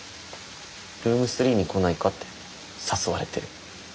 ルーム３に来ないかって誘われてる。